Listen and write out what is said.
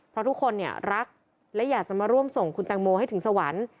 เพราะทุกคนเนี่ยรักและอยากจะมาร่วมส่งคุณแตงโมให้ถึงสวรรค์